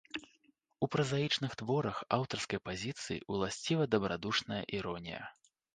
У празаічных творах аўтарскай пазіцыі ўласціва дабрадушная іронія.